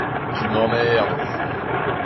Tu m’emmerdes.